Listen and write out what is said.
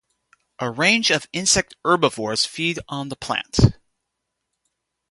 A range of insect herbivores feed on the plant.